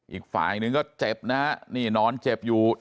อีกฝ่ายหนึ่งก็เจ็บนะฮะนี่นอนเจ็บอยู่